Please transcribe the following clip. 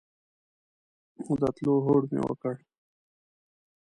د تلو هوډ مو وکړ.